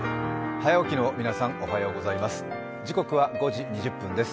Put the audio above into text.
早起きの皆さん、おはようございます。